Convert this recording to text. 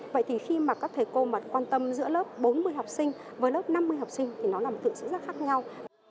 vậy thì khi mà các thầy cô mà quan tâm giữa lớp bốn mươi học sinh với lớp năm mươi học sinh thì nó làm tự xử ra khác nhau